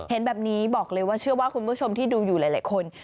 เห็นแบบนี้บอกเลยว่าเชื่อว่าคุณผู้ชมที่ดูอยู่หลายคน